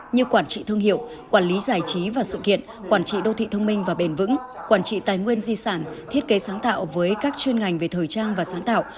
như quản trị thương hiệu quản lý giải trí và sự kiện quản trị đô thị thông minh và bền vững quản trị tài nguyên di sản thiết kế sáng tạo với các chuyên ngành về thời trang và sáng tạo